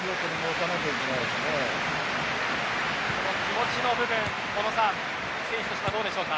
その気持ちの部分、小野さん選手としては、どうでしょうか。